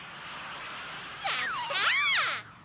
やった！